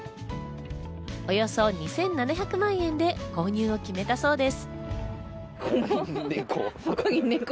およそ２７００万円で購入を決めたそうです。